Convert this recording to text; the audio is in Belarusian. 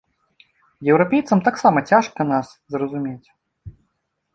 Еўрапейцам таксама цяжка нас зразумець.